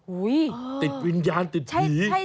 อุ้ยติดวิญญาณติดผี